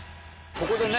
ここでね